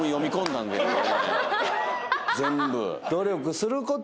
全部。